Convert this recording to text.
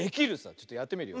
ちょっとやってみるよ。